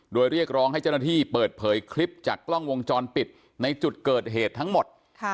โดยเรียกร้องให้เจ้าหน้าที่เปิดเผยคลิปจากกล้องวงจรปิดในจุดเกิดเหตุทั้งหมด